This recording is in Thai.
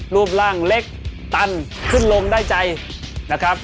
รูปร่างเล็กตันขึ้นลงได้ใจนะครับ